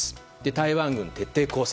台湾軍が徹底抗戦。